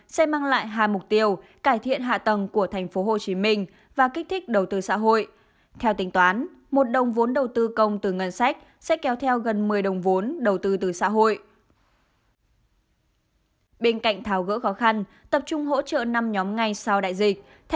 bên cạnh thảo gỡ khó khăn tập trung hỗ trợ năm nhóm ngay sau đại dịch